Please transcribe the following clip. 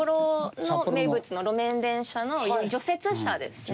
札幌の名物の路面電車の除雪車ですね。